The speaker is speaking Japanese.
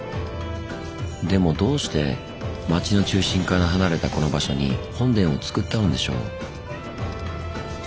でもどうして街の中心から離れたこの場所に本殿をつくったのでしょう？